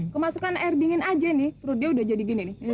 kemasukan air dingin aja nih perut dia udah jadi gini